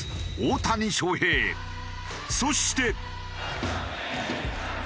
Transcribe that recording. そして。